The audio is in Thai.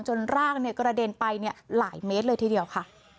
ร่างกระเด็นไปหลายเมตรเลยทีเดียวค่ะ